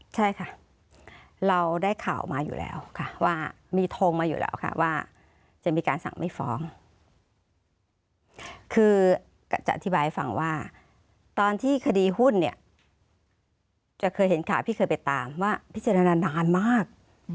ใช่ค่ะเราได้ข่าวมาอยู่แล้วค่ะว่ามีโทรมาอยู่แล้วค่ะว่าจะมีการสั่งไม่ฟ้องคือจะอธิบายให้ฟังว่าตอนที่คดีหุ้นเนี่ยจะเคยเห็นข่าวพี่เคยไปตามว่าพิจารณานานมาก